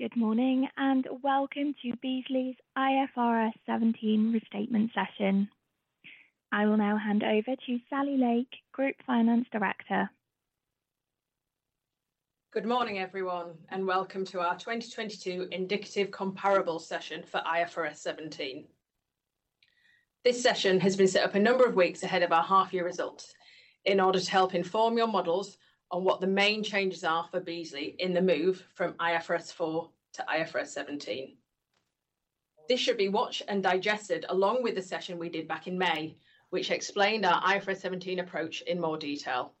Good morning, welcome to Beazley's IFRS 17 restatement session. I will now hand over to Sally Lake, Group Finance Director. Good morning, everyone, and welcome to our 2022 indicative comparable session for IFRS 17. This session has been set up a number of weeks ahead of our half-year results in order to help inform your models on what the main changes are for Beazley in the move from IFRS 4 to IFRS 17. This should be watched and digested along with the session we did back in May, which explained our IFRS 17 approach in more detail.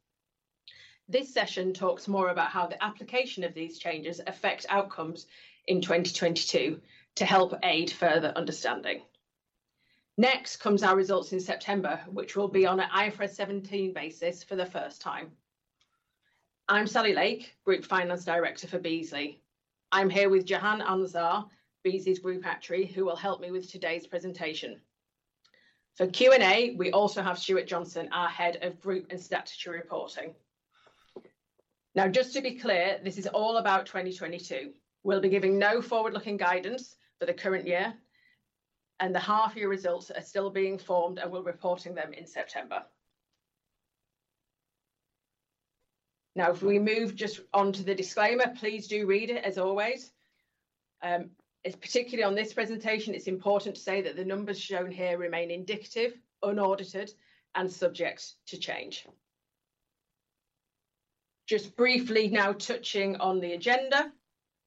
This session talks more about how the application of these changes affect outcomes in 2022 to help aid further understanding. Next comes our results in September, which will be on an IFRS 17 basis for the first time. I'm Sally Lake, Group Finance Director for Beazley. I'm here with Jahan Anzsar, Beazley's Group Actuary, who will help me with today's presentation. For Q&A, we also have Stuart Johnson, our Head of Group and Statutory Reporting. Now, just to be clear, this is all about 2022. We'll be giving no forward-looking guidance for the current year, and the half-year results are still being formed, and we're reporting them in September. Now, if we move just onto the disclaimer, please do read it as always. It's particularly on this presentation, it's important to say that the numbers shown here remain indicative, unaudited, and subject to change. Just briefly now touching on the agenda,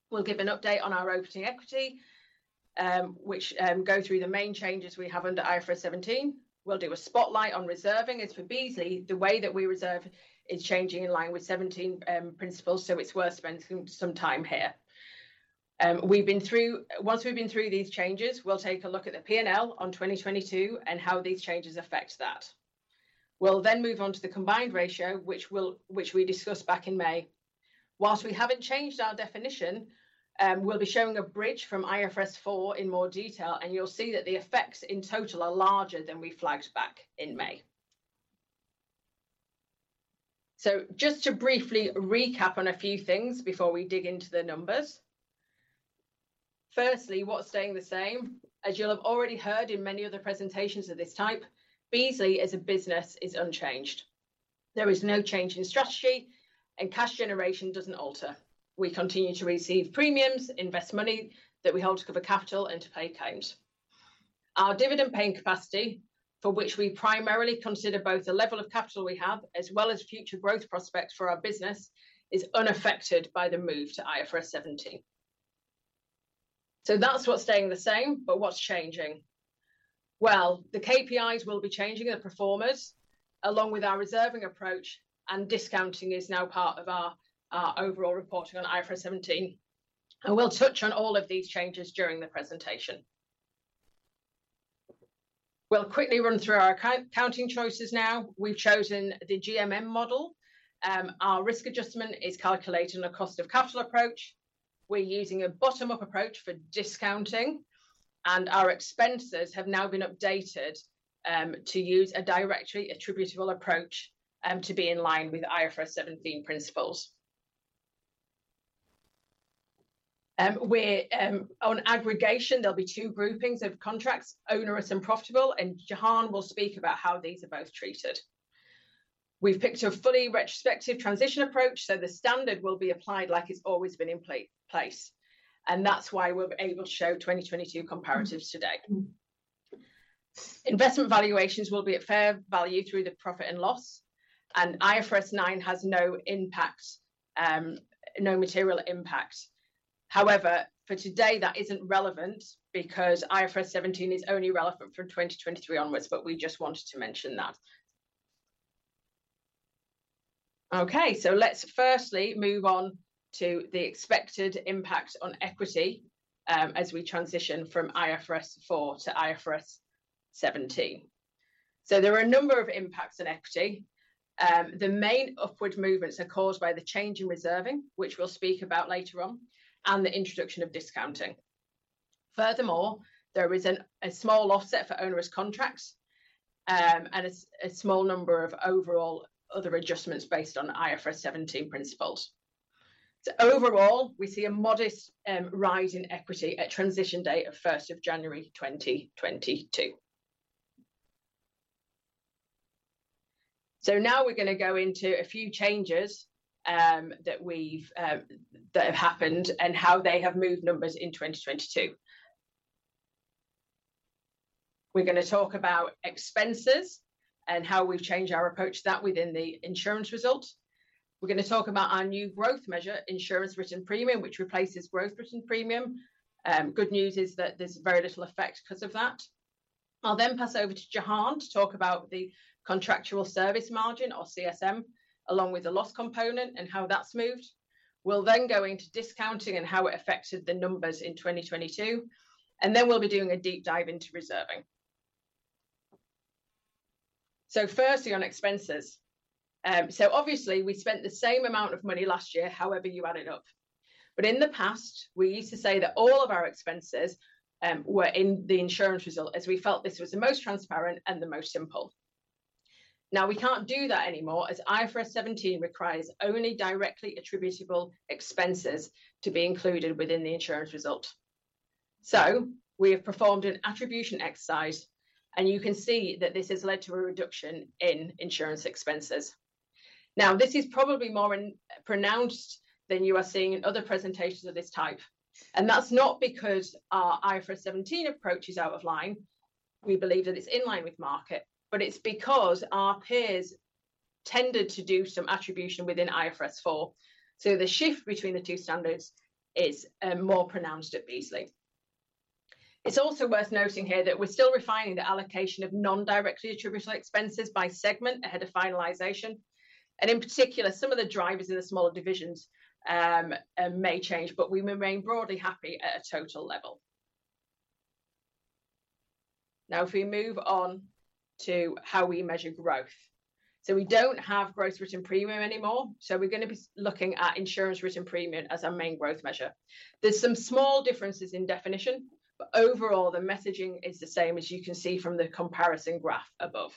we'll give an update on our opening equity, which go through the main changes we have under IFRS 17. We'll do a spotlight on reserving, as for Beazley, the way that we reserve is changing in line with 17 principles, so it's worth spending some time here. We've been through. Once we've been through these changes, we'll take a look at the P&L on 2022 and how these changes affect that. We'll move on to the combined ratio, which we discussed back in May. Whilst we haven't changed our definition, we'll be showing a bridge from IFRS 4 in more detail, and you'll see that the effects in total are larger than we flagged back in May. Just to briefly recap on a few things before we dig into the numbers. Firstly, what's staying the same? As you'll have already heard in many other presentations of this type, Beazley, as a business, is unchanged. There is no change in strategy, and cash generation doesn't alter. We continue to receive premiums, invest money that we hold to cover capital and to pay claims. Our dividend-paying capacity, for which we primarily consider both the level of capital we have, as well as future growth prospects for our business, is unaffected by the move to IFRS 17. That's what's staying the same, but what's changing? The KPIs will be changing, the performers, along with our reserving approach, and discounting is now part of our overall reporting on IFRS 17, and we'll touch on all of these changes during the presentation. We'll quickly run through our counting choices now. We've chosen the GMM model. Our risk adjustment is calculating a cost of capital approach. We're using a bottom-up approach for discounting, and our expenses have now been updated to use a directly attributable approach to be in line with IFRS 17 principles. On aggregation, there'll be two groupings of contracts: onerous and profitable, and Jahan will speak about how these are both treated. We've picked a fully retrospective transition approach, so the standard will be applied like it's always been in place, and that's why we're able to show 2022 comparatives today. Investment valuations will be at fair value through the profit and loss, and IFRS 9 has no impact, no material impact. However, for today, that isn't relevant because IFRS 17 is only relevant from 2023 onwards, but we just wanted to mention that. Okay, let's firstly move on to the expected impact on equity, as we transition from IFRS 4 to IFRS 17. There are a number of impacts on equity. The main upward movements are caused by the change in reserving, which we'll speak about later on, and the introduction of discounting. Furthermore, there is a small offset for onerous contracts, and a small number of overall other adjustments based on IFRS 17 principles. Overall, we see a modest rise in equity at transition date of 1st of January 2022. Now we're going to go into a few changes that we've that have happened and how they have moved numbers in 2022. We're going to talk about expenses and how we've changed our approach to that within the insurance results. We're going to talk about our new growth measure, insurance written premium, which replaces growth written premium. Good news is that there's very little effect because of that. I'll then pass over to Jahan to talk about the contractual service margin, or CSM, along with the loss component and how that's moved. We'll then go into discounting and how it affected the numbers in 2022, and then we'll be doing a deep dive into reserving. Firstly, on expenses. Obviously, we spent the same amount of money last year, however you add it up. In the past, we used to say that all of our expenses were in the insurance result, as we felt this was the most transparent and the most simple. Now, we can't do that anymore, as IFRS 17 requires only directly attributable expenses to be included within the insurance result. We have performed an attribution exercise, and you can see that this has led to a reduction in insurance expenses. This is probably more pronounced than you are seeing in other presentations of this type, and that's not because our IFRS 17 approach is out of line. We believe that it's in line with market, but it's because our peers tended to do some attribution within IFRS 4, so the shift between the two standards is more pronounced at Beazley. It's also worth noting here that we're still refining the allocation of non-directly attributable expenses by segment ahead of finalization, and in particular, some of the drivers in the smaller divisions may change, but we remain broadly happy at a total level. If we move on to how we measure growth. We don't have gross written premium anymore, so we're gonna be looking at insurance written premium as our main growth measure. There's some small differences in definition, but overall, the messaging is the same, as you can see from the comparison graph above.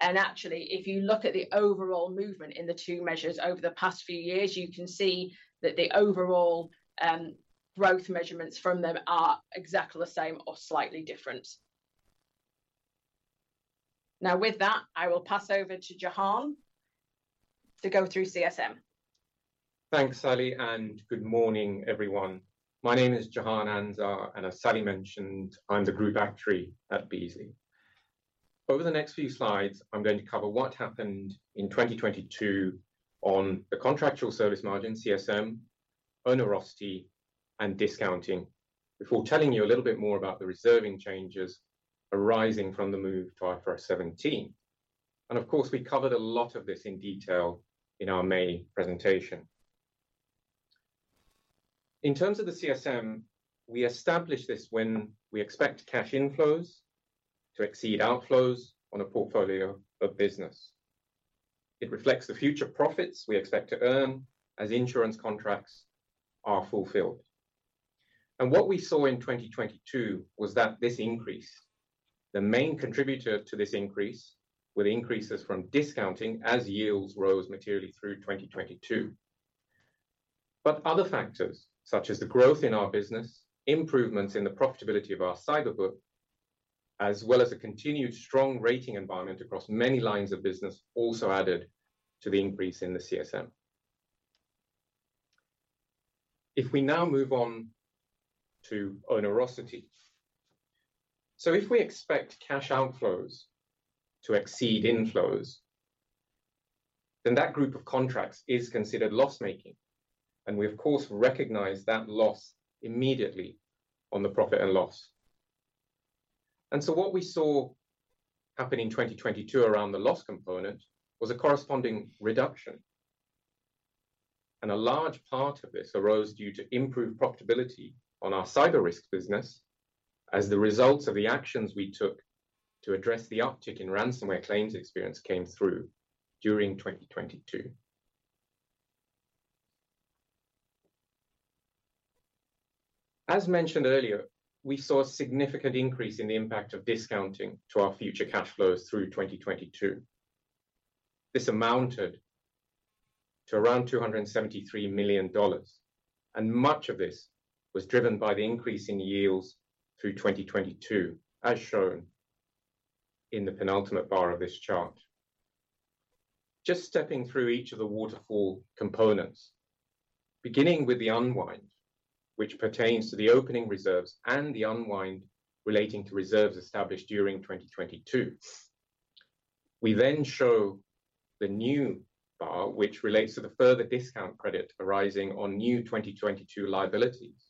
Actually, if you look at the overall movement in the two measures over the past few years, you can see that the overall growth measurements from them are exactly the same or slightly different. With that, I will pass over to Jahan to go through CSM. Thanks, Sally. Good morning, everyone. My name is Jahan Anzsar, as Sally mentioned, I'm the Group Actuary at Beazley. Over the next few slides, I'm going to cover what happened in 2022 on the contractual service margin, CSM, onerosity, and discounting, before telling you a little bit more about the reserving changes arising from the move to IFRS 17. Of course, we covered a lot of this in detail in our main presentation. In terms of the CSM, we establish this when we expect cash inflows to exceed outflows on a portfolio of business. It reflects the future profits we expect to earn as insurance contracts are fulfilled. What we saw in 2022 was that this increased. The main contributor to this increase were the increases from discounting as yields rose materially through 2022. Other factors, such as the growth in our business, improvements in the profitability of our cyber book, as well as a continued strong rating environment across many lines of business, also added to the increase in the CSM. If we now move on to onerosity. If we expect cash outflows to exceed inflows, then that group of contracts is considered loss-making, and we, of course, recognize that loss immediately on the profit and loss. What we saw happen in 2022 around the loss component, was a corresponding reduction, and a large part of this arose due to improved profitability on our cyber risks business, as the results of the actions we took to address the uptick in ransomware claims experience came through during 2022. As mentioned earlier, we saw a significant increase in the impact of discounting to our future cash flows through 2022. This amounted to around $273 million, and much of this was driven by the increase in yields through 2022, as shown in the penultimate bar of this chart. Just stepping through each of the waterfall components, beginning with the unwind, which pertains to the opening reserves and the unwind relating to reserves established during 2022. We then show the new bar, which relates to the further discount credit arising on new 2022 liabilities.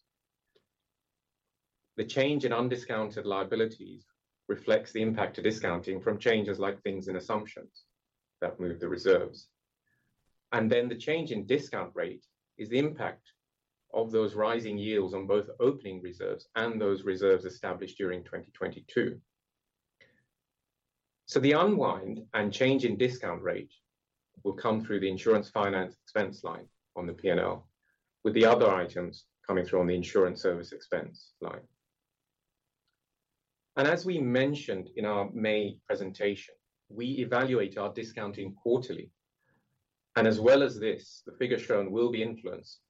The change in undiscounted liabilities reflects the impact of discounting from changes like things and assumptions that move the reserves. The change in discount rate is the impact of those rising yields on both opening reserves and those reserves established during 2022. The unwind and change in discount rate will come through the insurance finance expense line on the P&L, with the other items coming through on the insurance service expense line. As we mentioned in our May presentation, we evaluate our discounting quarterly, and as well as this, the figure shown will be influenced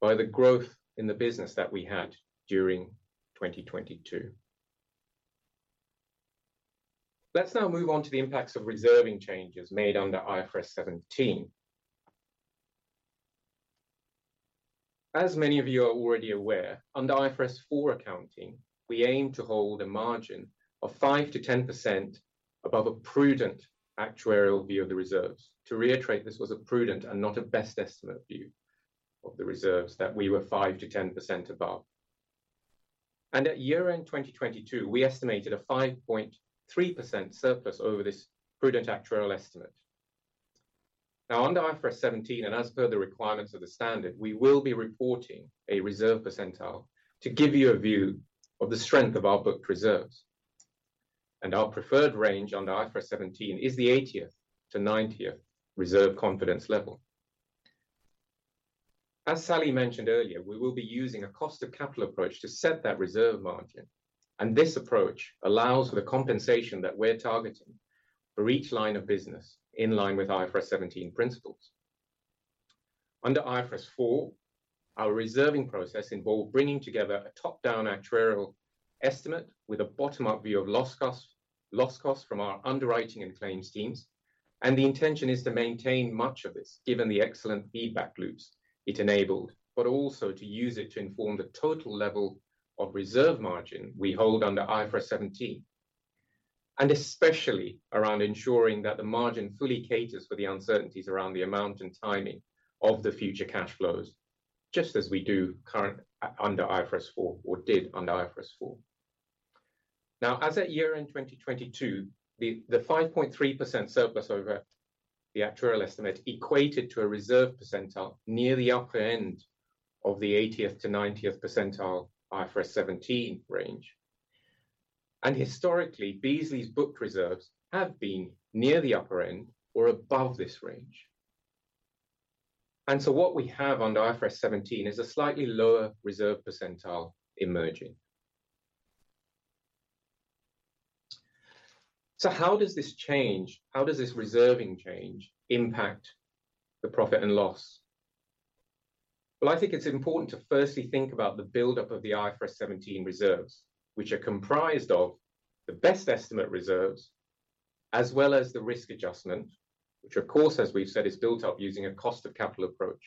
by the growth in the business that we had during 2022. Let's now move on to the impacts of reserving changes made under IFRS 17. As many of you are already aware, under IFRS 4 accounting, we aim to hold a margin of 5%-10% above a prudent actuarial view of the reserves. To reiterate, this was a prudent and not a best estimate view of the reserves that we were 5%-10% above. At year end 2022, we estimated a 5.3% surplus over this prudent actuarial estimate. Now, under IFRS 17, as per the requirements of the standard, we will be reporting a reserve percentile to give you a view of the strength of our booked reserves. Our preferred range under IFRS 17 is the 80th-90th reserve confidence level. As Sally mentioned earlier, we will be using a cost of capital approach to set that reserve margin, and this approach allows for the compensation that we're targeting for each line of business in line with IFRS 17 principles. Under IFRS 4, our reserving process involved bringing together a top-down actuarial estimate with a bottom-up view of loss costs, loss costs from our underwriting and claims teams. The intention is to maintain much of this, given the excellent feedback loops it enabled, but also to use it to inform the total level of reserve margin we hold under IFRS 17, and especially around ensuring that the margin fully caters for the uncertainties around the amount and timing of the future cash flows, just as we do current under IFRS 4, or did under IFRS 4. As at year-end 2022, the 5.3% surplus over the actuarial estimate equated to a reserve percentile near the upper end of the 80th-90th percentile IFRS 17 range. Historically, Beazley's book reserves have been near the upper end or above this range. So what we have under IFRS 17 is a slightly lower reserve percentile emerging. How does this reserving change impact the profit and loss? Well, I think it's important to firstly think about the build-up of the IFRS 17 reserves, which are comprised of the best estimate reserves, as well as the risk adjustment, which, of course, as we've said, is built up using a cost of capital approach.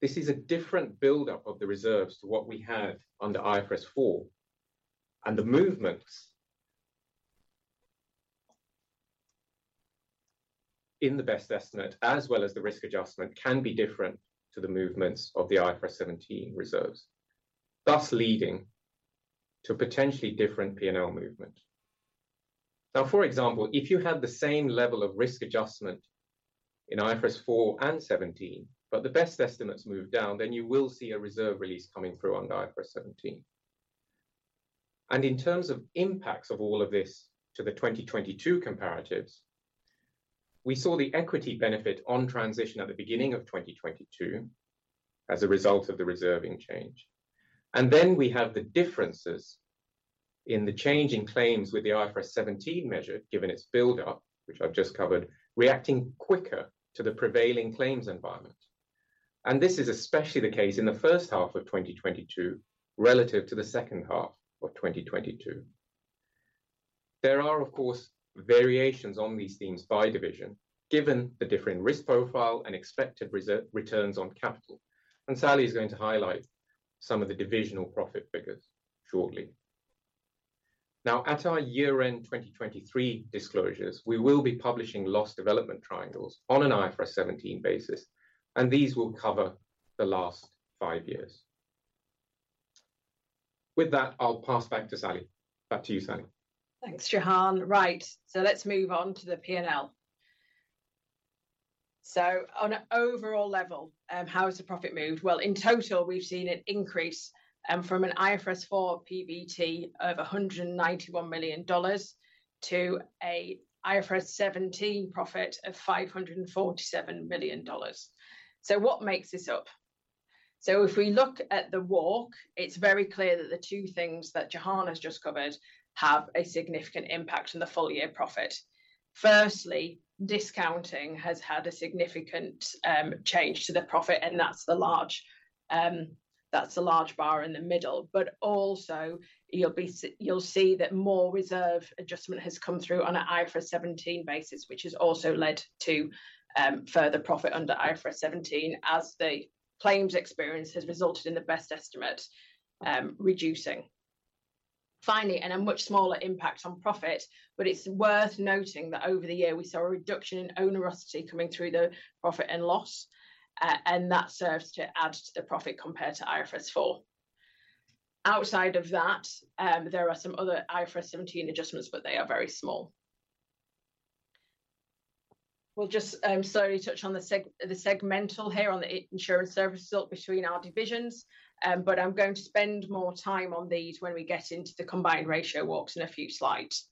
This is a different build-up of the reserves to what we have under IFRS 4, and the movements in the best estimate, as well as the risk adjustment, can be different to the movements of the IFRS 17 reserves, thus leading to potentially different P&L movement. Now, for example, if you had the same level of risk adjustment in IFRS 4 and 17, but the best estimates move down, then you will see a reserve release coming through under IFRS 17. In terms of impacts of all of this to the 2022 comparatives, we saw the equity benefit on transition at the beginning of 2022 as a result of the reserving change. Then we have the differences in the change in claims with the IFRS 17 measure, given its build-up, which I've just covered, reacting quicker to the prevailing claims environment. This is especially the case in the first half of 2022, relative to the second half of 2022. There are, of course, variations on these themes by division, given the differing risk profile and expected returns on capital, and Sally is going to highlight some of the divisional profit figures shortly. Now, at our year-end 2023 disclosures, we will be publishing loss development triangles on an IFRS 17 basis, and these will cover the last five years. With that, I'll pass back to Sally. Back to you, Sally. Thanks, Jahan. Right, let's move on to the P&L. On an overall level, how has the profit moved? Well, in total, we've seen an increase from an IFRS 4 PBT of $191 million to a IFRS 17 profit of $547 million. What makes this up? If we look at the walk, it's very clear that the two things that Jahan has just covered have a significant impact on the full-year profit. Firstly, discounting has had a significant change to the profit, and that's the large that's the large bar in the middle. Also, you'll see that more reserve adjustment has come through on an IFRS 17 basis, which has also led to further profit under IFRS 17, as the claims experience has resulted in the best estimate reducing. Finally, a much smaller impact on profit, but it's worth noting that over the year we saw a reduction in onerosity coming through the profit and loss, and that serves to add to the profit compared to IFRS 4. Outside of that, there are some other IFRS 17 adjustments, but they are very small. We'll just slowly touch on the segmental here on the insurance service result between our divisions, but I'm going to spend more time on these when we get into the combined ratio walks in a few slides.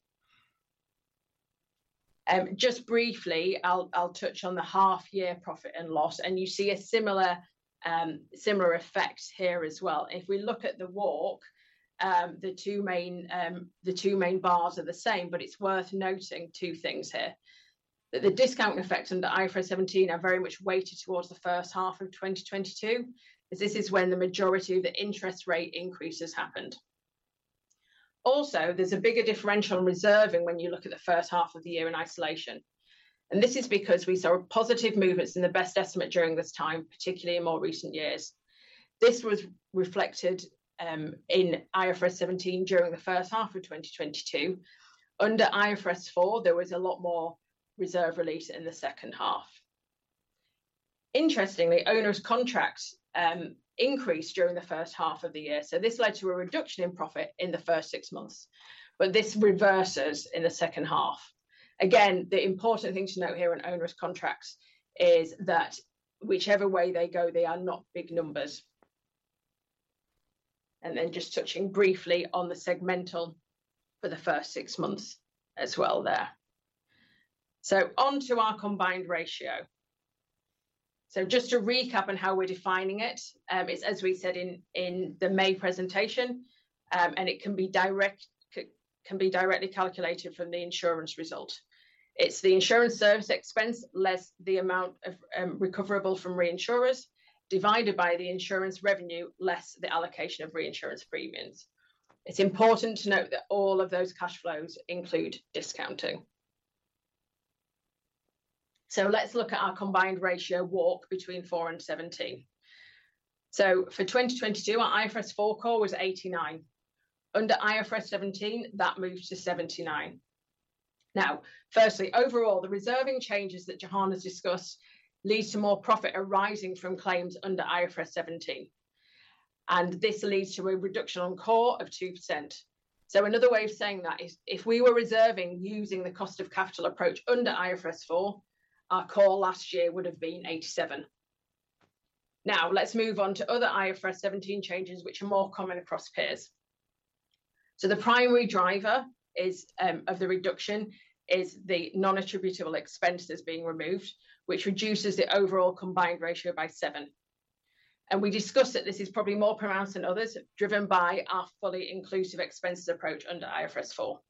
Just briefly, I'll, I'll touch on the half-year profit and loss, and you see a similar, similar effect here as well. If we look at the walk, the two main, the two main bars are the same, but it's worth noting two things here: that the discount effects under IFRS 17 are very much weighted towards the first half of 2022, as this is when the majority of the interest rate increases happened. Also, there's a bigger differential in reserving when you look at the first half of the year in isolation, and this is because we saw positive movements in the best estimate during this time, particularly in more recent years. This was reflected in IFRS 17 during the first half of 2022. Under IFRS 4, there was a lot more reserve release in the second half. Interestingly, onerous contracts increased during the first half of the year, so this led to a reduction in profit in the first six months, but this reverses in the second half. Again, the important thing to note here on onerous contracts is that whichever way they go, they are not big numbers. And then just touching briefly on the segmental for the first six months as well there. Onto our combined ratio. Just to recap on how we're defining it, is as we said in the May presentation, and it can be directly calculated from the insurance result. It's the insurance service expense, less the amount of recoverable from reinsurers, divided by the insurance revenue, less the allocation of reinsurance premiums. It's important to note that all of those cash flows include discounting. Let's look at our combined ratio walk between IFRS 4 and IFRS 17. For 2022, our IFRS 4 core was 89%. Under IFRS 17, that moves to 79%. Firstly, overall, the reserving changes that Jahan has discussed lead to more profit arising from claims under IFRS 17, and this leads to a reduction on core of 2%. Another way of saying that is, if we were reserving using the cost of capital approach under IFRS 4, our core last year would have been 87%. Let's move on to other IFRS 17 changes, which are more common across peers. The primary driver is of the reduction, is the non-attributable expenses being removed, which reduces the overall combined ratio by 7%. We discussed that this is probably more pronounced than others, driven by our fully inclusive expenses approach under IFRS 4.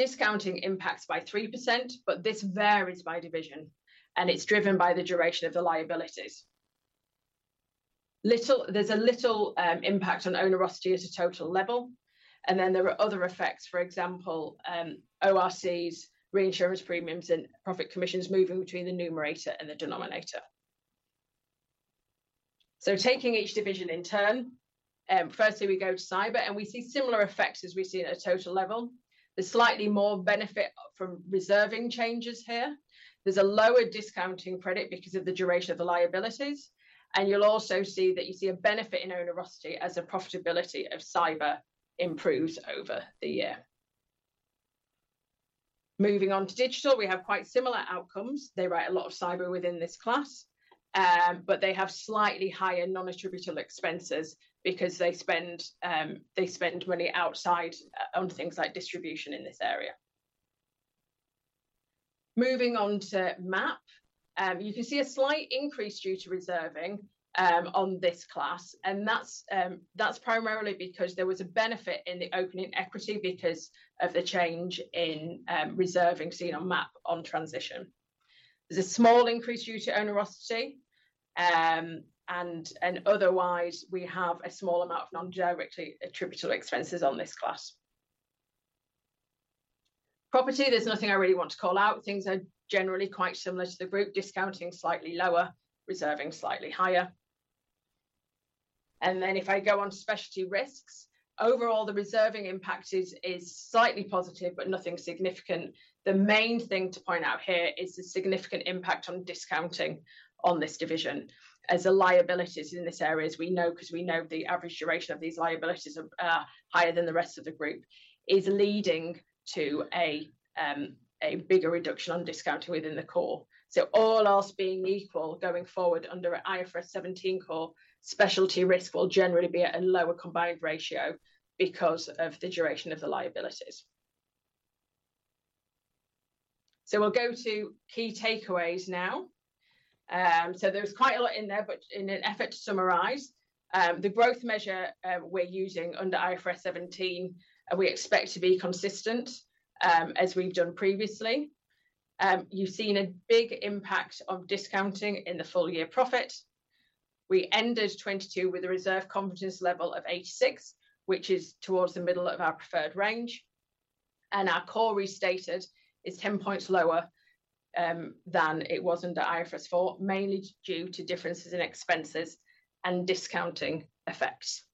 Discounting impacts by 3%, but this varies by division, and it's driven by the duration of the liabilities. There's a little impact on onerosity at a total level, and then there are other effects, for example, ORCs, reinsurance premiums, and profit commissions moving between the numerator and the denominator. Taking each division in turn, firstly, we go to cyber, and we see similar effects as we see at a total level. There's slightly more benefit from reserving changes here. There's a lower discounting credit because of the duration of the liabilities, and you'll also see that you see a benefit in onerosity as the profitability of cyber improves over the year. Moving on to digital, we have quite similar outcomes. They write a lot of cyber within this class, but they have slightly higher non-attributable expenses because they spend money outside on things like distribution in this area. Moving on to MAP, you can see a slight increase due to reserving on this class, and that's primarily because there was a benefit in the opening equity because of the change in reserving seen on MAP on transition. There's a small increase due to onerosity, and otherwise, we have a small amount of non-directly attributable expenses on this class. Property, there's nothing I really want to call out. Things are generally quite similar to the group. Discounting, slightly lower. Reserving, slightly higher. If I go on to Specialty Risks, overall, the reserving impact is, is slightly positive, but nothing significant. The main thing to point out here is the significant impact on discounting on this division, as the liabilities in this area, as we know, 'cause we know the average duration of these liabilities are, are higher than the rest of the group, is leading to a bigger reduction on discount within the core. All else being equal, going forward under IFRS 17 core, Specialty Risks will generally be at a lower combined ratio because of the duration of the liabilities. We'll go to key takeaways now. There was quite a lot in there, but in an effort to summarize, the growth measure we're using under IFRS 17, we expect to be consistent as we've done previously. You've seen a big impact of discounting in the full-year profit. We ended 2022 with a reserve confidence level of 86th, which is towards the middle of our preferred range, and our core restated is 10 points lower than it was under IFRS 4, mainly due to differences in expenses and discounting effects.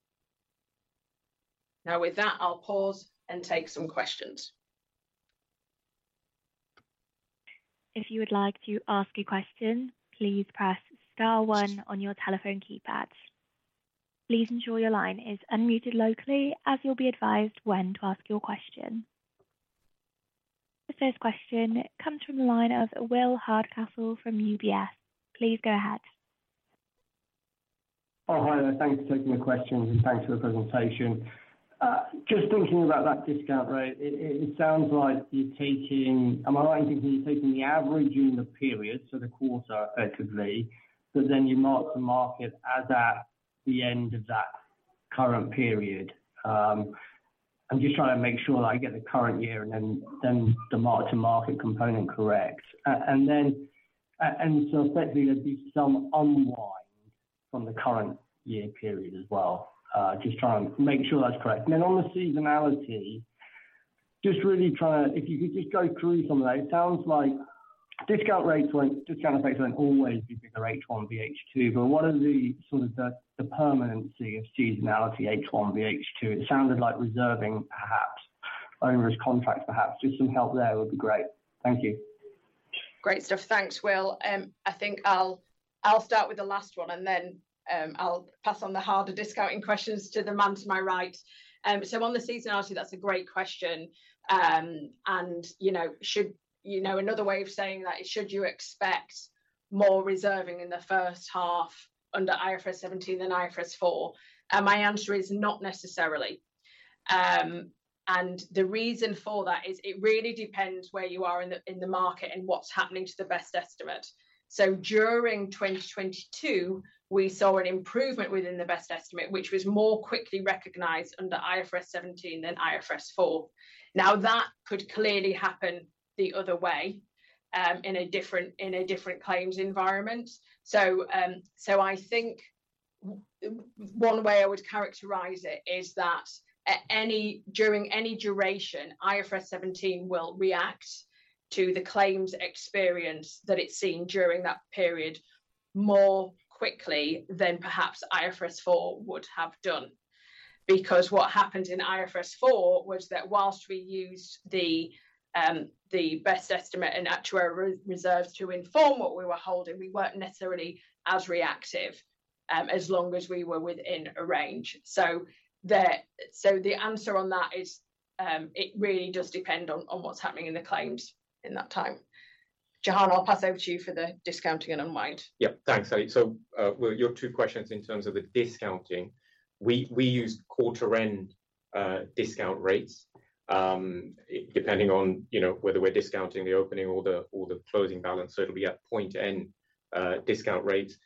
With that, I'll pause and take some questions. If you would like to ask a question, please press star one on your telephone keypad. Please ensure your line is unmuted locally, as you'll be advised when to ask your question. The first question comes from the line of Will Hardcastle from UBS. Please go ahead. Hi there. Thanks for taking the questions, and thanks for the presentation. Just thinking about that discount rate, it, it sounds like you're taking, am I right in thinking you're taking the average in the period, so the quarter effectively, but then you mark the market as at the end of that current period? I'm just trying to make sure that I get the current year and then, then the mark-to-market component correct. Then effectively, there'd be some unwind from the current year period as well. Just trying to make sure that's correct. Then on the seasonality, just really trying to, if you could just go through some of that. It sounds like discount rates weren't just going to always be bigger H1 than H2, but what are the sort of the, the permanency of seasonality, H1 v H2? It sounded like reserving, perhaps, onerous contracts, perhaps. Just some help there would be great. Thank you. Great stuff. Thanks, Will. I think I'll, I'll start with the last one, and then, I'll pass on the harder discounting questions to the man to my right. On the seasonality, that's a great question. And, you know, another way of saying that is, should you expect more reserving in the first half under IFRS 17 than IFRS 4? My answer is not necessarily. And the reason for that is it really depends where you are in the, in the market and what's happening to the best estimate. During 2022, we saw an improvement within the best estimate, which was more quickly recognized under IFRS 17 than IFRS 4. Now, that could clearly happen the other way, in a different, in a different claims environment. I think one way I would characterize it is that during any duration, IFRS 17 will react to the claims experience that it's seen during that period more quickly than perhaps IFRS 4 would have done. What happened in IFRS 4 was that whilst we used the best estimate and actuarial reserves to inform what we were holding, we weren't necessarily as reactive as long as we were within a range. The answer on that is, it really does depend on what's happening in the claims in that time. Jahan, I'll pass over to you for the discounting and unwind. Yeah, thanks, Sally. Well, your two questions in terms of the discounting, we, we use quarter-end discount rates. Depending on, you know, whether we're discounting the opening or the, or the closing balance, so it'll be at point and discount rate.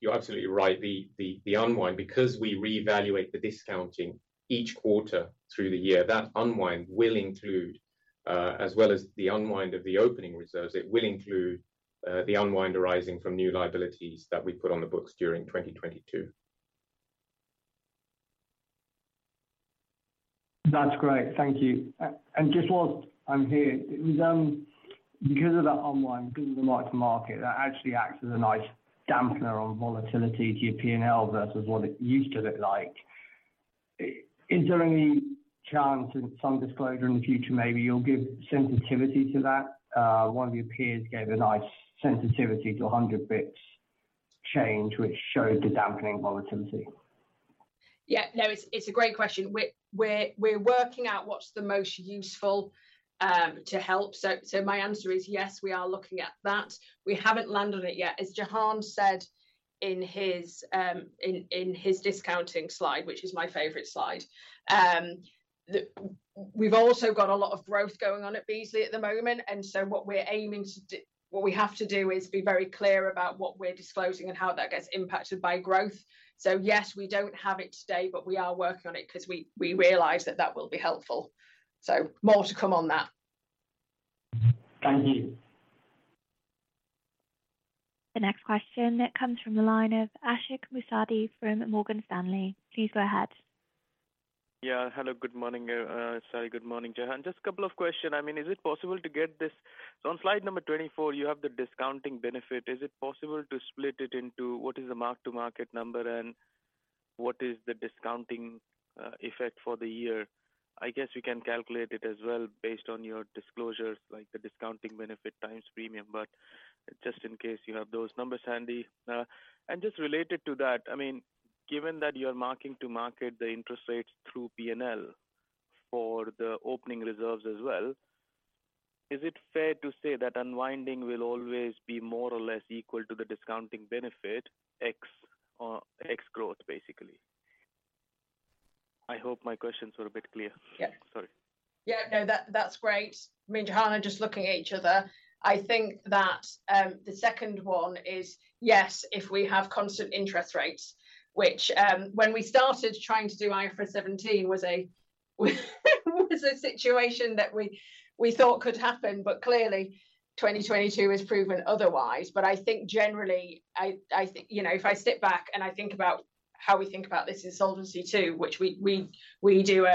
You're absolutely right, the, the, the unwind, because we reevaluate the discounting each quarter through the year, that unwind will include, as well as the unwind of the opening reserves, it will include, the unwind arising from new liabilities that we put on the books during 2022. That's great. Thank you. Just whilst I'm here, because of the unwind, because of the mark to market, that actually acts as a nice dampener on volatility to your P&L versus what it used to look like. Is there any chance in some disclosure in the future, maybe you'll give sensitivity to that? One of your peers gave a nice sensitivity to 100 basis points change, which showed the dampening volatility. Yeah, no, it's, it's a great question. We're, we're, we're working out what's the most useful to help. My answer is yes, we are looking at that. We haven't landed on it yet. As Jahan said in his discounting slide, which is my favorite slide, we've also got a lot of growth going on at Beazley at the moment, what we're aiming to do, what we have to do is be very clear about what we're disclosing and how that gets impacted by growth. Yes, we don't have it today, but we are working on it ’cause we, we realize that that will be helpful. More to come on that. Thank you. The next question comes from the line of Ashik Musaddi from Morgan Stanley. Please go ahead. Hello, good morning, Sally, good morning, Jahan. Just a couple of question. I mean, is it possible to get this, on slide number 24, you have the discounting benefit. Is it possible to split it into what is the mark-to-market number, and what is the discounting effect for the year? I guess you can calculate it as well based on your disclosures, like the discounting benefit times premium, but just in case you have those numbers handy. Just related to that, I mean, given that you're marking to market the interest rates through P&L for the opening reserves as well, is it fair to say that unwinding will always be more or less equal to the discounting benefit X, or X growth, basically? I hope my questions were a bit clear. Yes. Sorry. Yeah, no, that, that's great. Me and Jahan are just looking at each other. I think that, the second one is, yes, if we have constant interest rates, which, when we started trying to do IFRS 17, was a, was a situation that we, we thought could happen, but clearly 2022 has proven otherwise. I think generally, I, I think, you know, if I sit back and I think about how we think about this in Solvency II, which we, we, we do,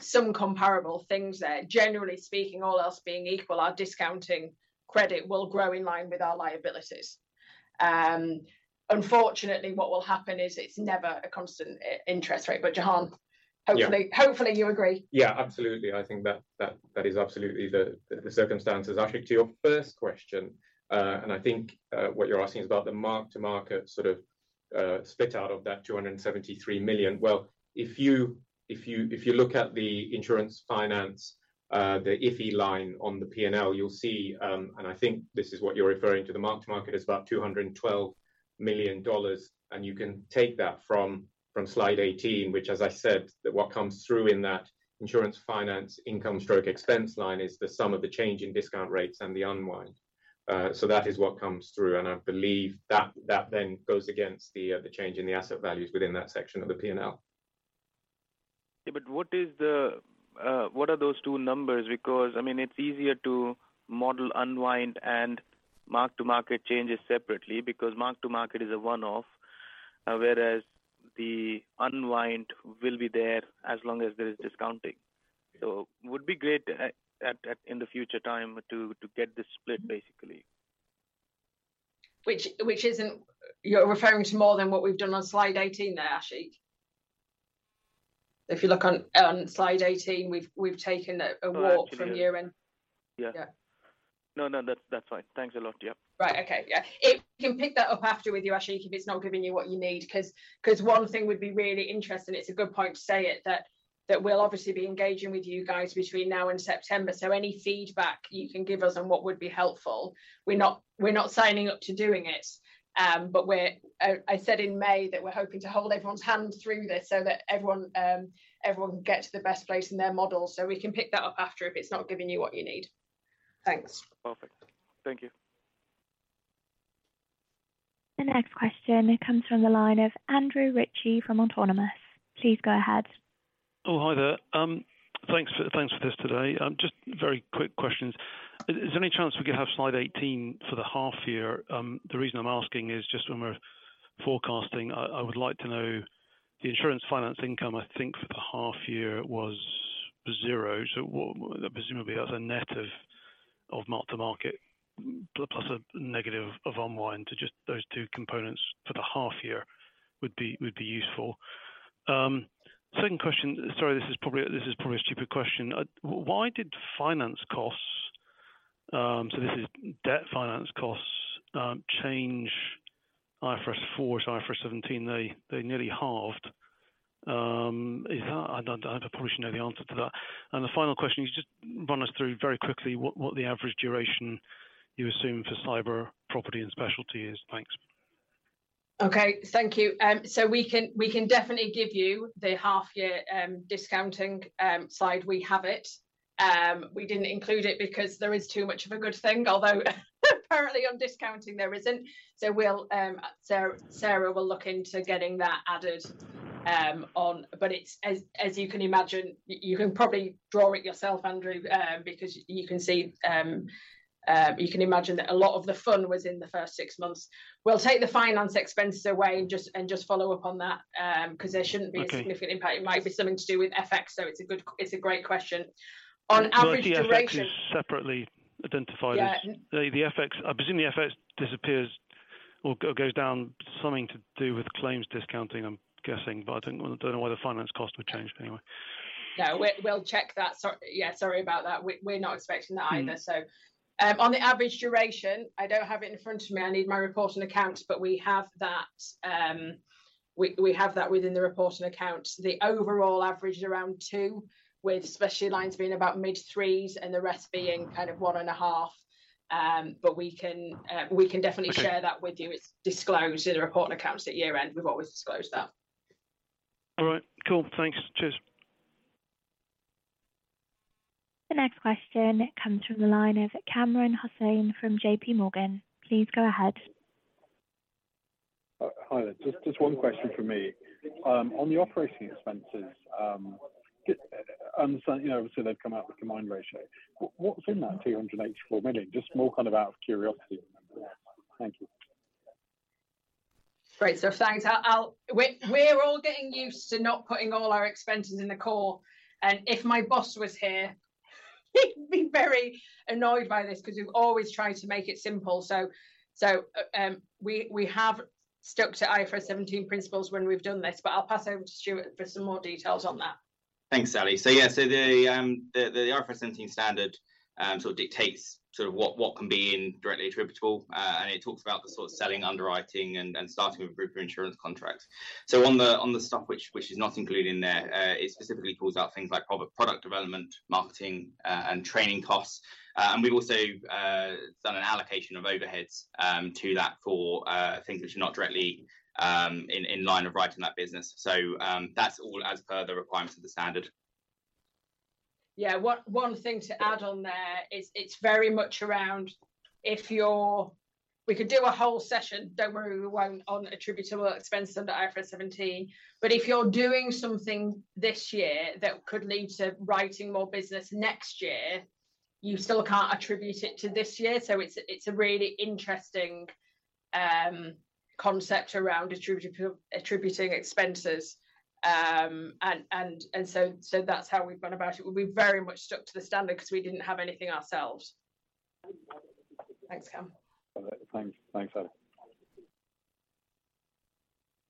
some comparable things there, generally speaking, all else being equal, our discounting credit will grow in line with our liabilities. Unfortunately, what will happen is it's never a constant interest rate. Jahan. Yeah. Hopefully, hopefully you agree. Yeah, absolutely. I think that, that, that is absolutely the, the circumstances. Ashik, to your first question, and I think what you're asking is about the mark-to-market sort of spit out of that $273 million. Well, if you, if you, if you look at the insurance finance, the IFI line on the P&L, you'll see, and I think this is what you're referring to, the mark-to-market is about $212 million, and you can take that from, from slide 18, which, as I said, that what comes through in that insurance finance income stroke expense line is the sum of the change in discount rates and the unwind. That is what comes through, and I believe that, that then goes against the change in the asset values within that section of the P&L. What are those two numbers? I mean, it's easier to model, unwind, and mark to market changes separately, because mark to market is a one-off, whereas the unwind will be there as long as there is discounting. It would be great in the future time to get this split, basically. You're referring to more than what we've done on slide 18 there, Ashik? If you look on slide 18, we've taken a walk from year-end. Yeah. Yeah. No, no, that's, that's fine. Thanks a lot. Yep. Right. Okay. Yeah. We can pick that up after with you, Ashik, if it's not giving you what you need. 'Cause one thing we'd be really interested, and it's a good point to say it, that we'll obviously be engaging with you guys between now and September, so any feedback you can give us on what would be helpful. We're not, we're not signing up to doing it, but we're, I said in May that we're hoping to hold everyone's hand through this so that everyone, everyone can get to the best place in their model. We can pick that up after if it's not giving you what you need. Thanks. Perfect. Thank you. The next question comes from the line of Andrew Ritchie from Autonomous. Please go ahead. Oh, hi there. Thanks for, thanks for this today. Just very quick questions. Is, is there any chance we could have slide 18 for the half year? The reason I'm asking is just when we're forecasting, I, I would like to know the insurance finance income, I think for the half year was zero. Presumably, that's a net of, of mark to market, plus a negative of unwind to just those two components for the half year would be, would be useful. Second question, sorry, this is probably, this is probably a stupid question. Why did finance costs, so this is debt finance costs, change IFRS 4 to IFRS 17, they, they nearly halved. Is that I probably should know the answer to that. The final question, can you just run us through very quickly, what, what the average duration you assume for cyber, property, and specialty is? Thanks. Okay, thank you. We can, we can definitely give you the half year discounting slide. We have it. We didn't include it because there is too much of a good thing, although apparently on discounting, there isn't. Well Sarah, Sarah will look into getting that added on, but it's as, as you can imagine, you can probably draw it yourself, Andrew, because you can see, you can imagine that a lot of the fun was in the first six months. We'll take the finance expenses away and just, and just follow up on that because there shouldn't be... Okay. a significant impact. It might be something to do with FX, so it's a good, it's a great question. On average duration... The FX is separately identified as- Yeah. The FX, I presume the FX disappears or goes down something to do with claims discounting, I'm guessing, but I don't, don't know why the finance cost would change, but anyway. No, we'll, we'll check that. Yeah, sorry about that. We, we're not expecting that either. Mm-hmm. On the average duration, I don't have it in front of me. I need my report on accounts, we have that within the report on accounts. The overall average is around 2, with specialty lines being about mid-3s, and the rest being kind of 1.5. We can definitely... Okay. share that with you. It's disclosed in the report on accounts at year-end. We've always disclosed that. All right, cool. Thanks. Cheers. The next question comes from the line of Kamran Hossain from JPMorgan. Please go ahead. Hi there. Just, just one question from me. On the operating expenses, you know, so they've come out with combined ratio. What's in that $284 million? Just more kind of out of curiosity. Thank you. Great. Thanks. We're all getting used to not putting all our expenses in the call, and if my boss was here, he'd be very annoyed by this because we've always tried to make it simple. We have stuck to IFRS 17 principles when we've done this, but I'll pass over to Stuart for some more details on that. Thanks, Sally. Yeah, so the, the IFRS 17 standard sort of dictates sort of what, what can be in directly attributable, and it talks about the sort of selling, underwriting and starting a group of insurance contracts. On the, on the stuff which, which is not included in there, it specifically calls out things like product, product development, marketing, and training costs. We've also done an allocation of overheads to that for things which are not directly in line of writing that business. That's all as per the requirements of the standard. Yeah, one, one thing to add on there is it's very much around if you're. We could do a whole session, don't worry, we won't, on attributable expenses under IFRS 17. If you're doing something this year that could lead to writing more business next year, you still can't attribute it to this year. It's a really interesting concept around attributing expenses. That's how we've gone about it. We very much stuck to the standard because we didn't have anything ourselves. Thanks, Kam. All right. Thanks, thanks, Sally.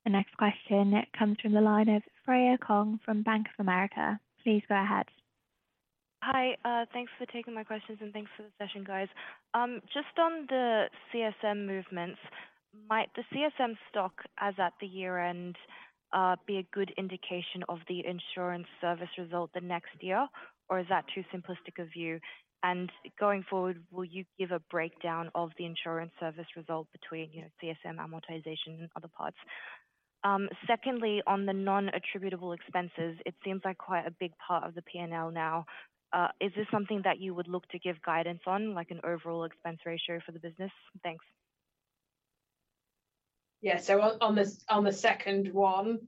The next question comes from the line of Freya Kong from Bank of America. Please go ahead. Hi, thanks for taking my questions, and thanks for the session, guys. Just on the CSM movements, might the CSM stock as at the year-end be a good indication of the insurance service result the next year, or is that too simplistic a view? Going forward, will you give a breakdown of the insurance service result between, you know, CSM amortization and other parts? Secondly, on the non-attributable expenses, it seems like quite a big part of the P&L now. Is this something that you would look to give guidance on, like an overall expense ratio for the business? Thanks. Yeah. On, on the, on the second one,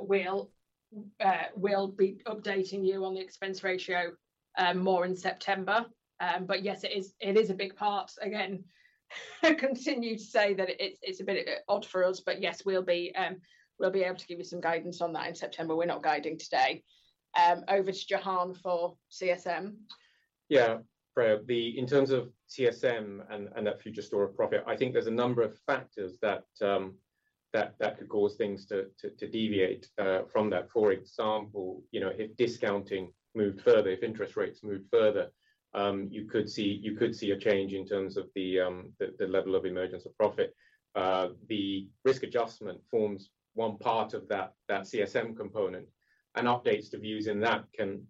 we'll be updating you on the expense ratio, more in September. Yes, it is, it is a big part. Again, I continue to say that it's, it's a bit odd for us, but yes, we'll be able to give you some guidance on that in September. We're not guiding today. Over to Jahan for CSM. Yeah, Freya, in terms of CSM and that future store of profit, I think there's a number of factors that could cause things to deviate from that. For example, you know, if discounting moved further, if interest rates moved further, you could see a change in terms of the level of emergence of profit. The risk adjustment forms one part of that CSM component, and updates to views in that can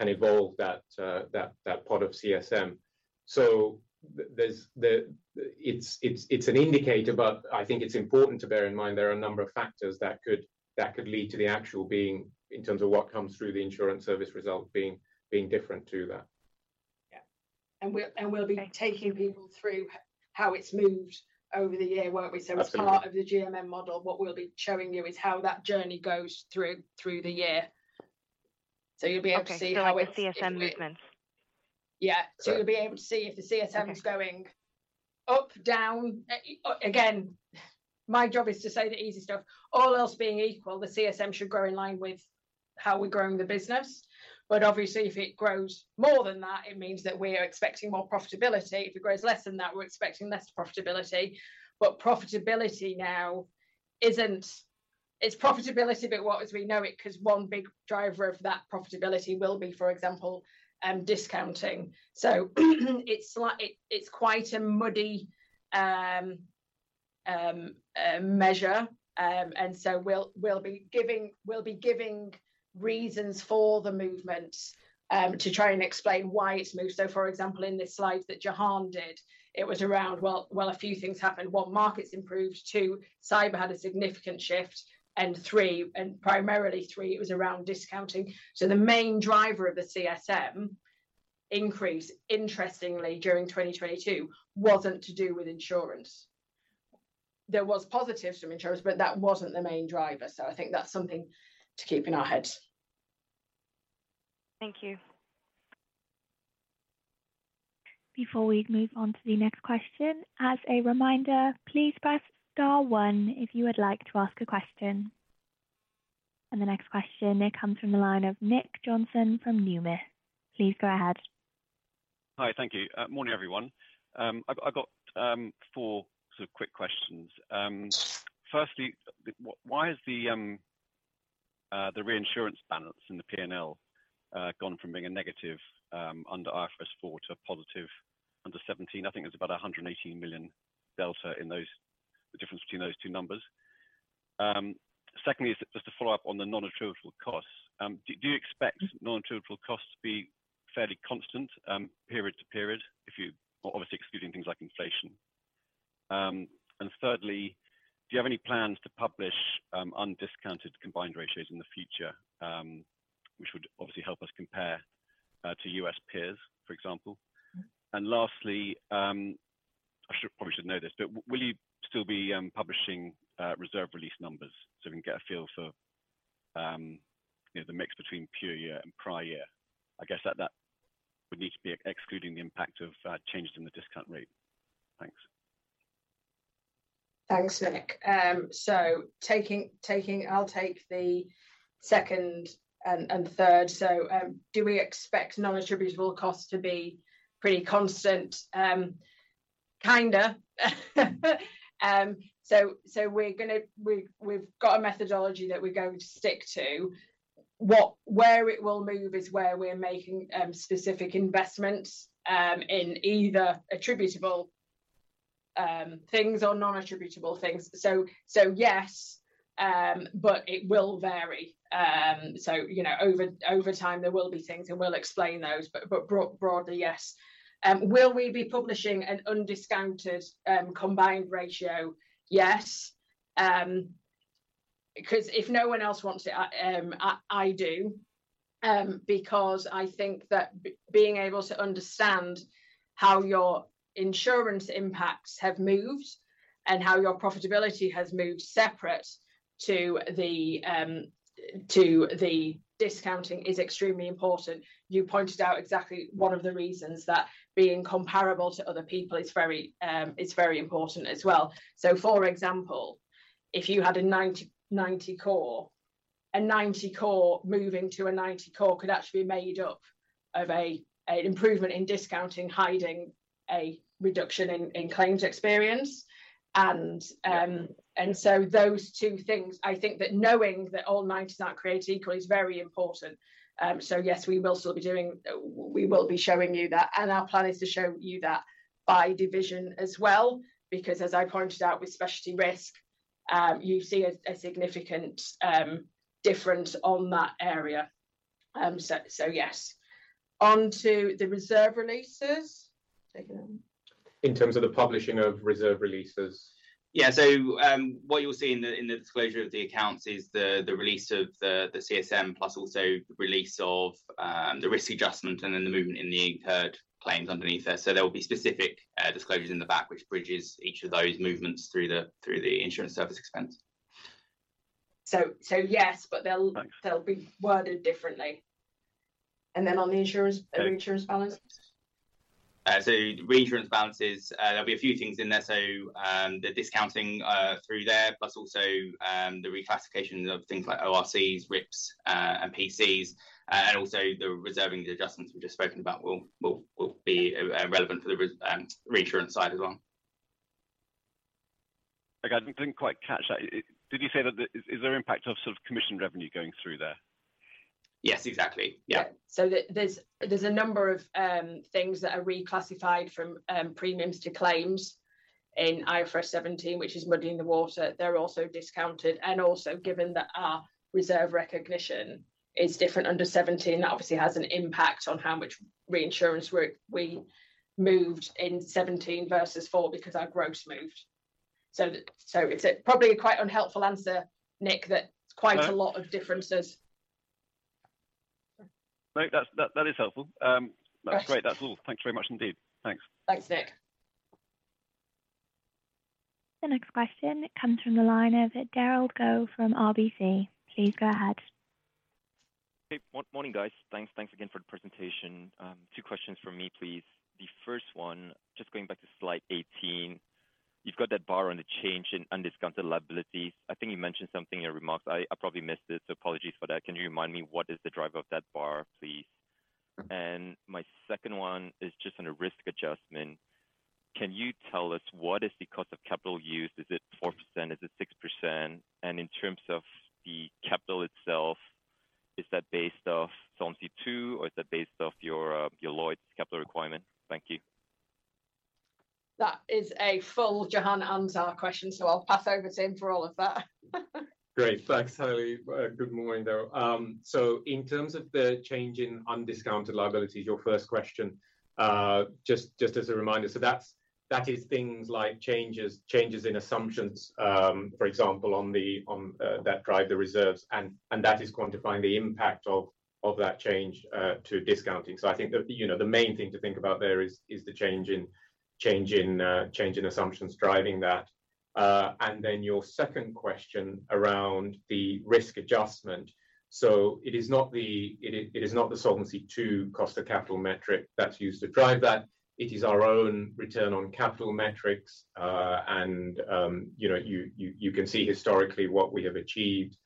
evolve that part of CSM. There's an indicator, but I think it's important to bear in mind there are a number of factors that could, that could lead to the actual being, in terms of what comes through the insurance service result, different to that. Yeah. We'll be taking people through how it's moved over the year, won't we? Absolutely. As part of the GMM model, what we'll be showing you is how that journey goes through, through the year. You'll be able to see how it. Okay, so like a CSM movement? Yeah. Yeah. You'll be able to see if the CSM- Okay Is going up, down. Again, my job is to say the easy stuff. All else being equal, the CSM should grow in line with how we're growing the business. Obviously, if it grows more than that, it means that we are expecting more profitability. If it grows less than that, we're expecting less profitability. Profitability now isn't, it's profitability, but not as we know it, 'cause one big driver of that profitability will be, for example, discounting. It's quite a muddy measure. And so we'll, we'll be giving, we'll be giving reasons for the movement to try and explain why it's moved. For example, in the slide that Jahan did, it was around, well, well, a few things happened. One, markets improved. Two, cyber had a significant shift, and three, and primarily three, it was around discounting. The main driver of the CSM increase, interestingly, during 2022, wasn't to do with insurance. There was positives from insurance, but that wasn't the main driver, so I think that's something to keep in our heads. Thank you. Before we move on to the next question, as a reminder, please press star 1 if you would like to ask a question. The next question comes from the line of Nick Johnson from Numis. Please go ahead. Hi, thank you. Morning, everyone. I've, I've got four sort of quick questions. Firstly, why is the reinsurance balance in the P&L gone from being a negative under IFRS 4 to a positive under 17? I think there's about a $118 million delta in those, the difference between those two numbers. Secondly, is just to follow up on the non-attributable costs. Do, do you expect non-attributable costs to be fairly constant period to period, obviously, excluding things like inflation? Thirdly, do you have any plans to publish undiscounted combined ratios in the future, which would obviously help us compare to U.S. peers, for example? Mm-hmm. Lastly, I should probably know this, but will you still be publishing reserve release numbers so we can get a feel for, you know, the mix between pure year and prior year? I guess that would need to be excluding the impact of changes in the discount rate. Thanks. Thanks, Nick. taking, I'll take the second and third. Do we expect non-attributable costs to be pretty constant? Kinda. We're gonna. We've got a methodology that we're going to stick to. Where it will move is where we're making specific investments in either attributable things or non-attributable things. Yes, but it will vary. You know, over time there will be things, and we'll explain those, but broadly, yes. Will we be publishing an undiscounted combined ratio? Yes. Because if no one else wants it, I do. Because I think that being able to understand how your insurance impacts have moved and how your profitability has moved separate to the discounting is extremely important. You pointed out exactly one of the reasons, that being comparable to other people is very, is very important as well. For example, if you had a 90 core, a 90 core moving to a 90 core could actually be made up of a, an improvement in discounting, hiding a reduction in, in claims experience. Those two things, I think that knowing that all 90s are not created equal is very important. Yes, we will still be doing. We will be showing you that, and our plan is to show you that by division as well, because as I pointed out with Specialty Risks, you see a, a significant, difference on that area. Yes. On to the reserve releases. Take it away. In terms of the publishing of reserve releases. What you'll see in the, in the disclosure of the accounts is the, the release of the, the CSM, plus also the release of, the risk adjustment, and then the movement in the incurred claims underneath there. There will be specific disclosures in the back, which bridges each of those movements through the, through the insurance service expense. Yes, but... Thanks They'll be worded differently. On the insurance, the reinsurance balance? Reinsurance balances, there'll be a few things in there. The discounting through there, plus also, the reclassification of things like ORCs, rips, and PCs, and also the reserving, the adjustments we've just spoken about will, will, will be relevant to the reinsurance side as well. Okay, I didn't quite catch that. Did you say that, is there impact of sort of commission revenue going through there? Yes, exactly. Yeah. Yeah. There, there's, there's a number of things that are reclassified from premiums to claims in IFRS 17, which is muddying the water, they're also discounted. Also, given that our reserve recognition is different under 17, that obviously has an impact on how much reinsurance we, we moved in 17 versus 4 because our gross moved. it's a probably a quite unhelpful answer, Nick. No. Quite a lot of differences. No, that's, that, that is helpful. That's great. Right. That's all. Thanks very much indeed. Thanks. Thanks, Nick. The next question comes from the line of Derald Goh from RBC. Please go ahead. Hey, Morning, guys. Thanks, thanks again for the presentation. Two questions from me, please. The first one, just going back to slide 18, you've got that bar on the change in undiscounted liabilities. I think you mentioned something in your remarks. I, I probably missed it, so apologies for that. Can you remind me what is the driver of that bar, please? Mm-hmm. My second one is just on a risk adjustment. Can you tell us what is the cost of capital used? Is it 4%, is it 6%? In terms of the capital itself, is that based off Solvency II, or is that based off your, your Lloyd's capital requirement? Thank you. That is a full Jahan Anzsar question, so I'll pass over to him for all of that. Great. Thanks, Sally. good morning, there. In terms of the change in undiscounted liabilities, your first question, just, just as a reminder, so that's, that is things like changes, changes in assumptions, for example, on the, on, that drive the reserves, and, and that is quantifying the impact of, of that change, to discounting. I think the, you know, the main thing to think about there is, is the change in, change in, change in assumptions driving that. Your second question around the risk adjustment. It is not the, it is not the Solvency II cost of capital metric that's used to drive that. It is our own return on capital metrics. You know, you, you, you can see historically what we have achieved,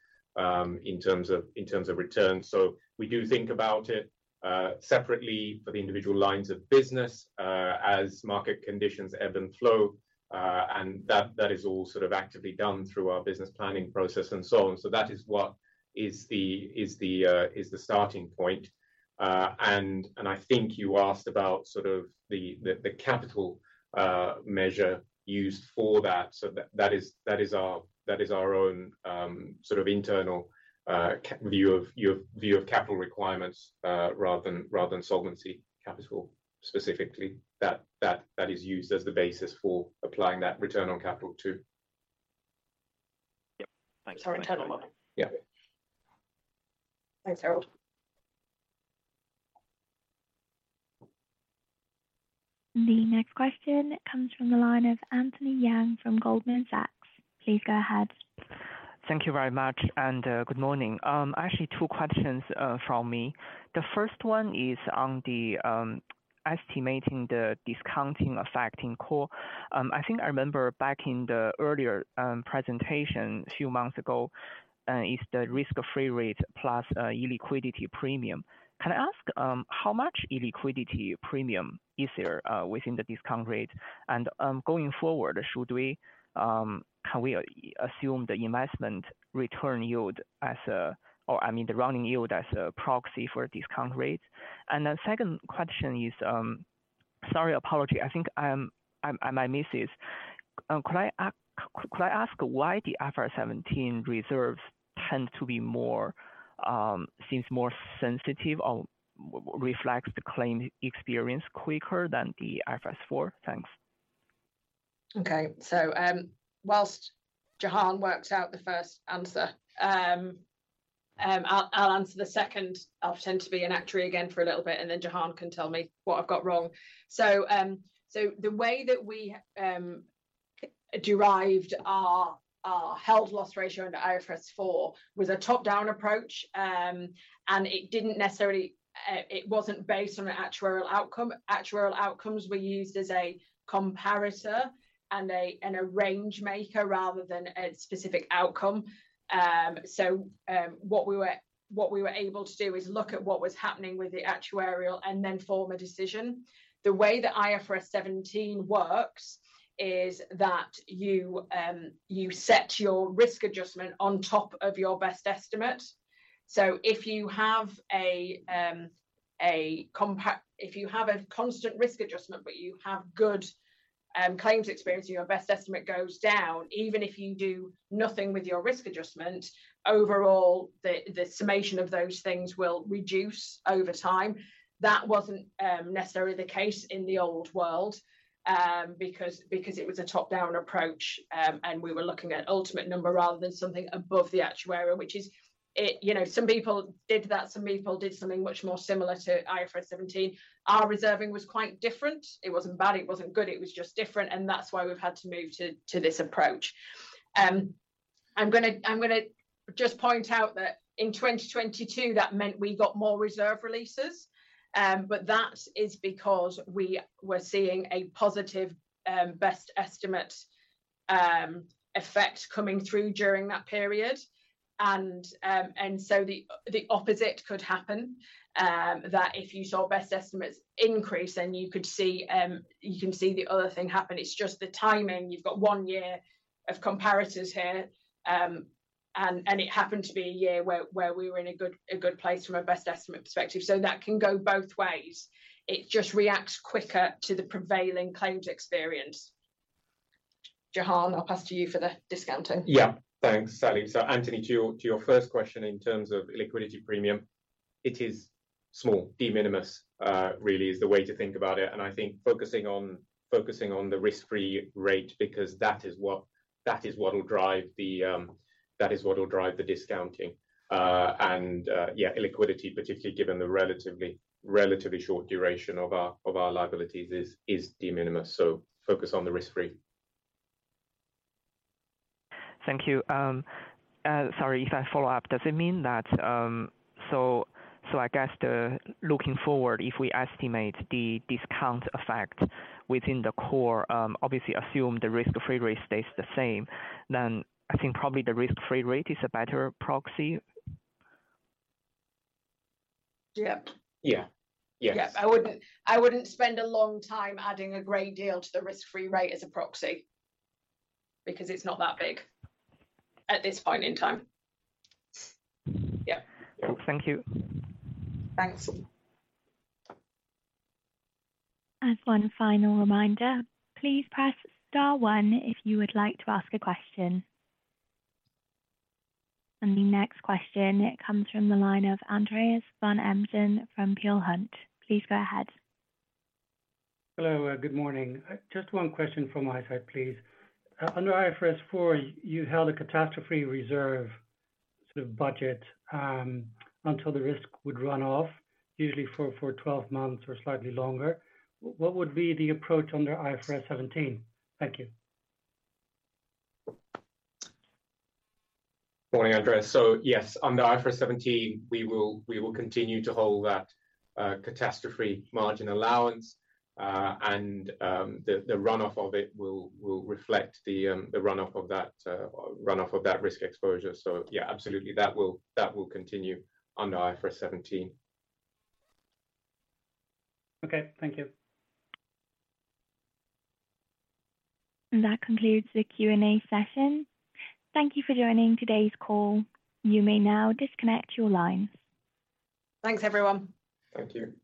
in terms of, in terms of returns. We do think about it, separately for the individual lines of business, as market conditions ebb and flow, and that, that is all sort of actively done through our business planning process and so on. That is what is the, is the, is the starting point. I think you asked about sort of the, the, the capital measure used for that. That, that is, that is our, that is our own, sort of internal view of your view of capital requirements, rather than, rather than solvency capital specifically. That, that, that is used as the basis for applying that return on capital too. Yeah. Thanks very much. It's our internal model. Yeah. Thanks, Derald. The next question comes from the line of Anthony Yang from Goldman Sachs. Please go ahead. Thank you very much, good morning. Actually, two questions from me. The first one is on the estimating the discounting effect in core. I think I remember back in the earlier presentation a few months ago, is the risk-free rate plus illiquidity premium. Can I ask how much illiquidity premium is there within the discount rate? Going forward, should we, can we assume the investment return yield as a or I mean, the running yield as a proxy for discount rate? The second question is, sorry, apology, I think I might miss it. Could I ask why the IFRS 17 reserves tend to be more, seems more sensitive or reflects the claim experience quicker than the IFRS 4? Thanks. Okay. While Jahan works out the first answer, I'll answer the second. I'll pretend to be an actuary again for a little bit, and then Jahan can tell me what I've got wrong. The way that we derived our health loss ratio under IFRS 4 was a top-down approach. It didn't necessarily, it wasn't based on an actuarial outcome. Actuarial outcomes were used as a comparator and a range maker rather than a specific outcome. What we were able to do is look at what was happening with the actuarial and then form a decision. The way the IFRS 17 works is that you set your risk adjustment on top of your best estimate. If you have a compact. You have a constant risk adjustment, but you have good claims experience and your best estimate goes down, even if you do nothing with your risk adjustment, overall, the summation of those things will reduce over time. It wasn't necessarily the case in the old world because it was a top-down approach, and we were looking at ultimate number rather than something above the actuary, which is, you know, some people did that, some people did something much more similar to IFRS 17. Our reserving was quite different. It wasn't bad, it wasn't good, it was just different, and that's why we've had to move to this approach. I'm gonna, I'm gonna just point out that in 2022, that meant we got more reserve releases, but that is because we were seeing a positive best estimate effect coming through during that period. The opposite could happen, that if you saw best estimates increase, then you could see, you can see the other thing happen. It's just the timing. You've got 1 year of comparators here. It happened to be a year where, where we were in a good, a good place from a best estimate perspective. That can go both ways. It just reacts quicker to the prevailing claims experience. Jahan, I'll pass to you for the discounting. Yeah. Thanks, Sally. Anthony, to your, to your first question in terms of liquidity premium, it is small. De minimis, really is the way to think about it, and I think focusing on, focusing on the risk-free rate because that is what, that is what will drive the... that is what will drive the discounting. Yeah, liquidity, particularly given the relatively, relatively short duration of our, of our liabilities is, is de minimis, so focus on the risk-free. Thank you. Sorry, if I follow up, does it mean that so I guess the looking forward, if we estimate the discount effect within the core, obviously assume the risk-free rate stays the same, then I think probably the risk-free rate is a better proxy? Yeah. Yeah. Yes. Yeah. I wouldn't, I wouldn't spend a long time adding a great deal to the risk-free rate as a proxy because it's not that big at this point in time. Yeah. Thank you. Thanks. As one final reminder, please press star one if you would like to ask a question. The next question comes from the line of Andreas van Embden from Peel Hunt. Please go ahead. Hello. Good morning. Just one question from my side, please. Under IFRS 4, you held a catastrophe reserve sort of budget, until the risk would run off, usually for, for twelve months or slightly longer. What would be the approach under IFRS 17? Thank you. Morning, Andreas. Yes, under IFRS 17, we will, we will continue to hold that catastrophe margin allowance, and the run-off of it will, will reflect the run-off of that run-off of that risk exposure. Yeah, absolutely, that will, that will continue under IFRS 17. Okay. Thank you. That concludes the Q&A session. Thank you for joining today's call. You may now disconnect your lines. Thanks, everyone. Thank you.